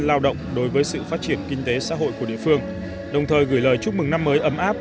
lao động đối với sự phát triển kinh tế xã hội của địa phương đồng thời gửi lời chúc mừng năm mới ấm áp